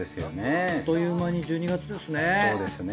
あっという間に１２月ですね。